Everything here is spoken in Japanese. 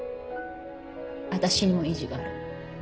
私にも意地がある。